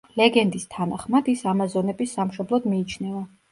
ლეგენდის თანახმად ის ამაზონების სამშობლოდ მიიჩნევა.